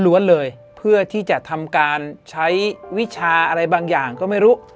เลยเพื่อที่จะทำการใช้วิชาอะไรบางอย่างก็ไม่รู้